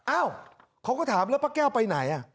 อ้าวเขาก็ถามแล้วป้าแก้วไปไหน